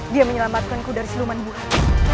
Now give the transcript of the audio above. dia menyelamatkanku dari seluman bulan